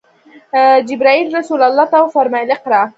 جبرئیل رسول الله ته وویل: “اقرأ!”